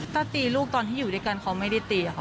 ถ้าตีลูกตอนที่อยู่ด้วยกันเขาไม่ได้ตีค่ะ